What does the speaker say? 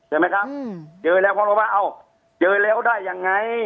ใช่ไหมครับเจอแล้วเพราะรู้ว่าเอ้าเจอแล้วได้ยังไง